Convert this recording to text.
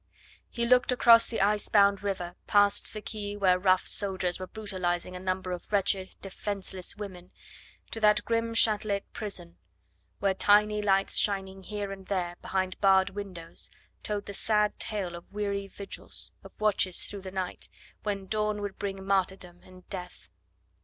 He looked across the ice bound river, past the quay where rough soldiers were brutalising a number of wretched defenceless women, to that grim Chatelet prison, where tiny lights shining here and there behind barred windows told the sad tale of weary vigils, of watches through the night, when dawn would bring martyrdom and death.